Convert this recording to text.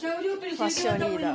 ファッションリーダー。